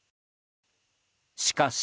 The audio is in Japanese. しかし。